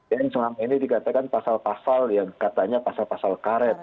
yang selama ini dikatakan pasal pasal yang katanya pasal pasal karet